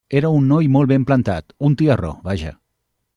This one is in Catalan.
Era un noi molt ben plantat, un tiarró, vaja.